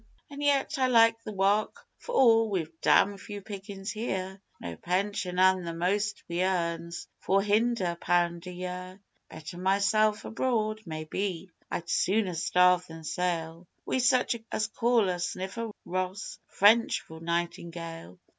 An' yet I like the wark for all we've dam' few pickin's here No pension, an' the most we earn's four hunder' pound a year. Better myself abroad? Maybe. I'd sooner starve than sail Wi' such as call a snifter rod ross.... French for nightingale.